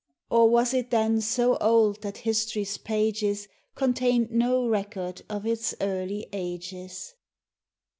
237 Or was it then so old that history's pages Contained no record of its early ages